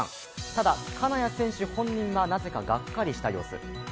ただ、金谷選手本人はなぜかがっかりした様子。